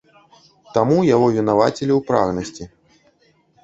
Таму яго вінавацілі ў прагнасці.